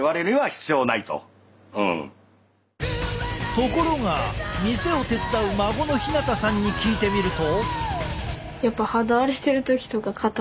ところが店を手伝う孫の陽葵さんに聞いてみると。